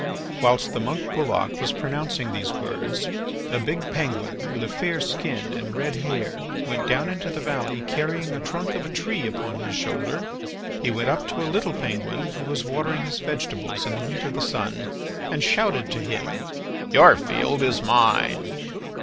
Whilst the monk, Bulloch, was pronouncing these words a big penguin with a fair skin and red hair went down into the valley carrying a trunk of a tree upon his shoulder. He went up to a little penguin who was watering his vegetables in the heat of the sun, and shouted to him: "Your field is mine!"